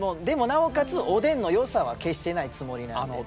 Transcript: でもなおかつおでんの良さは消してないつもりなんで。